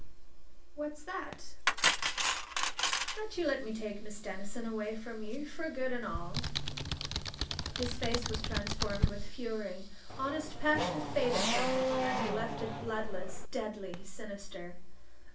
"What's that?" "That you let me take Miss Denison away from you, for good and all!" His face was transformed with fury: honest passion faded from it and left it bloodless, deadly, sinister.